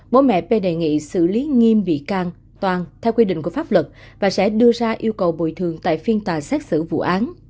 bố mẹ p đề nghị xử lý nghiêm bị can toàn theo quy định của pháp luật và sẽ đưa ra yêu cầu bồi thường tại phiên tòa xét xử vụ án